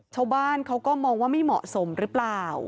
ชาวบ้านเขาก็มองว่าไม่เหมาะสมหรือเปล่า